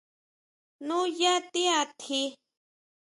¿Nuyá tiʼatji?